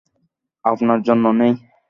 আপনার জন্য নেই।